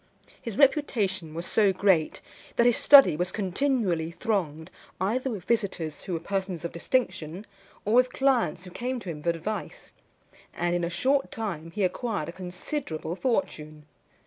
His reputation was so great, that his study was continually thronged either with visitors who were persons of distinction, or with clients who came to him for advice; and in a short time he acquired a considerable fortune.